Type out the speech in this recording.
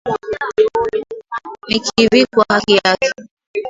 Nikivikwa haki yake.